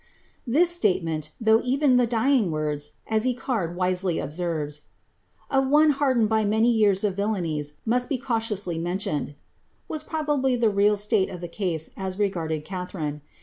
''' This statement, although ^ even the dying words," as Echard wisely observes, ^ of one hardened by many years of villanies must be cau tiously mentioned,^' was probably the real state of the case as regarded Cbtharine.